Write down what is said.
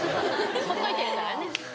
ほっといてるからね。